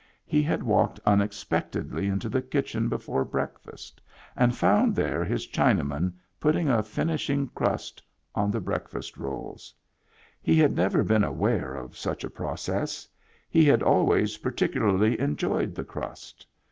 He had walked unexpectedly into the kitchen before breakfast, and found there his Chinaman putting a finishing crust on the breakfast rolls. He had never been aware of such a process. He had always particularly enjoyed the crust.